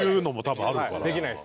できないです。